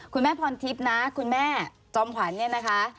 พรทิพย์นะคุณแม่จอมขวัญเนี่ยนะคะ